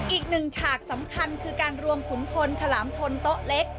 อีกหนึ่งฉากสำคัญคือการรวมขุนพลฉลามชนโต๊ะเล็ก